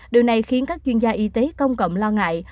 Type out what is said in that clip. điều này khiến các chuyên gia y tế công cộng lo ngại